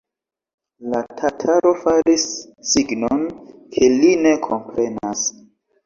La tataro faris signon, ke li ne komprenas.